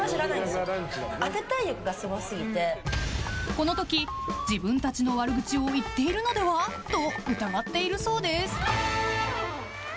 この時、自分たちの悪口を言っているのでは？と疑っているそうです。